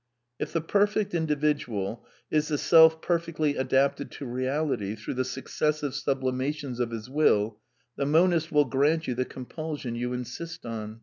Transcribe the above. If th^ perfect individual is the self perfectly adapted to reality through the successive sublimations of his will, the monist will grant you the compulsion you insist on.